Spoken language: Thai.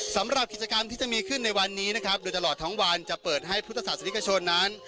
สำหรับกิจกรรมที่จะมีขึ้นในวันนี้นะครับโดยตลอดทั้งวันจะเปิดให้พุทธศาสนิกชนนั้น